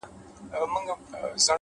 علم د ژوند معنا زیاتوي.!